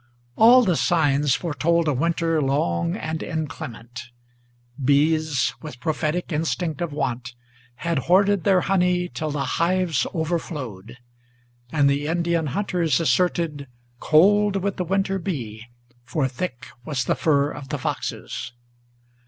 All the signs foretold a winter long and inclement. Bees, with prophetic instinct of want, had hoarded their honey Till the hives overflowed; and the Indian hunters asserted Cold would the winter be, for thick was the fur of the foxes.